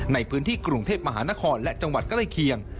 ในพื้นที่กรุงเทพมหานครและจังหวัดใกล้เคียง